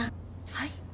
はい。